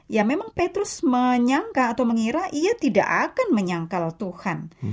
ya memang petrus menyangka atau mengira ia tidak akan menyangkal tuhan